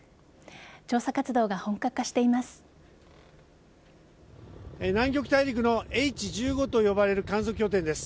調査活動が本格化しています。